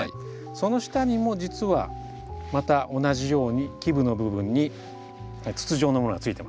その下にも実はまた同じように基部の部分に筒状のものがついてます。